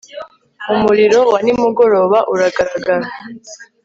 umuriro wa nimugoroba uragaragara